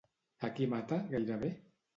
A qui mata, gairebé?